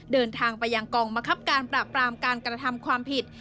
เดินทางไปยังกองมะครับการปราบปรามการกระทำความผิด